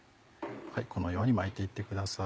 このように巻いて行ってください。